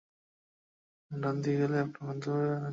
ডানদিকে গেলেই আপনার গন্তব্যে পৌঁছে যাবেন।